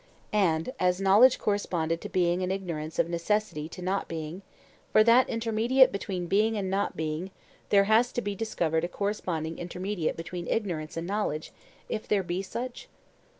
And, as knowledge corresponded to being and ignorance of necessity to not being, for that intermediate between being and not being there has to be discovered a corresponding intermediate between ignorance and knowledge, if there be such?